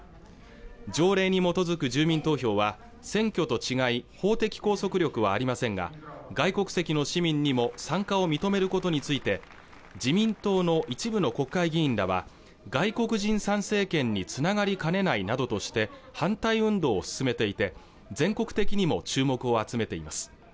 条例に基づく住民投票は選挙と違い法的拘束力はありませんが外国籍の市民にも参加を認めることについて自民党の一部の国会議員らは外国人参政権につながりかねないなどとして反対運動を進めていて全国的にも注目を集めています